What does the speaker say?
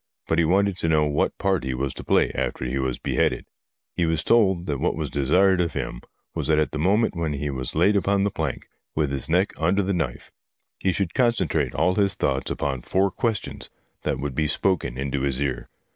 But he wanted to know what part he was to play after he was beheaded. He was told that what was desired of him was that at the moment when he was laid upon the plank with his neck under the knife, he should concentrate all his thoughts upon four questions that would be spoken into his ear.